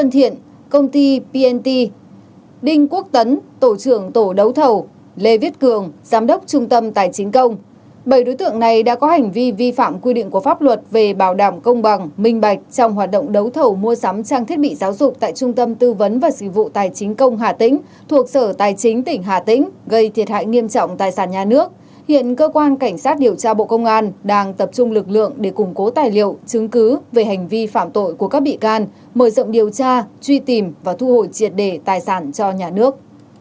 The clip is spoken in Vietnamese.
thiết bị giáo dục tại trung tâm tư vấn và dịch vụ tài chính công hà tĩnh thuộc sở tài chính tỉnh hà tĩnh gây thiệt hại nghiêm trọng tài sản nhà nước hiện cơ quan cảnh sát điều tra bộ công an đang tập trung lực lượng để củng cố tài liệu chứng cứ về hành vi phạm tội của các bị can mở rộng điều tra truy tìm và thu hồi triệt đề tài sản cho nhà nước